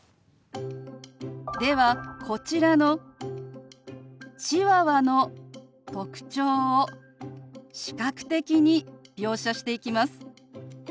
ではこちらのチワワの特徴を視覚的に描写していきます。